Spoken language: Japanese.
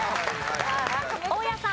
大家さん。